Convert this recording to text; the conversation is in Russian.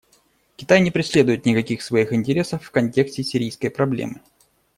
Китай не преследует никаких своих интересов в контексте сирийской проблемы.